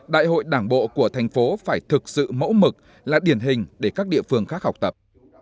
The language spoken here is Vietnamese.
đại hội đảng bộ của thành phố phải thực sự mẫu mực là điển hình để các địa phương khác học tập